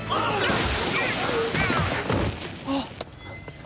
あっ！